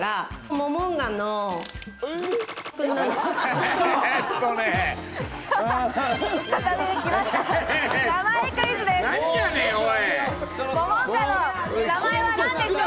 モモンガの名前は何でしょう？